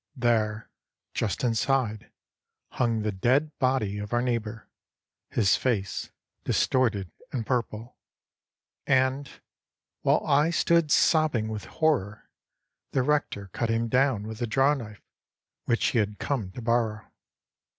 There, just inside, hung the dead body of our neighbor, his face distorted and purple. And, while I stood sobbing with horror, the rector cut him down with the draw knife which he had come to borrow.